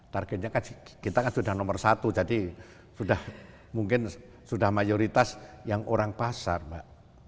targetnya kan kita kan sudah nomor satu jadi sudah mungkin sudah mayoritas yang orang pasar mbak